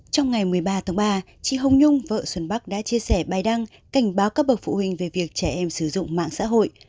trong ngày một mươi ba tháng ba chị hồng nhung vợ xuân bắc đã chia sẻ bài đăng cảnh báo các bậc phụ huynh về việc trẻ em sử dụng mạng xã hội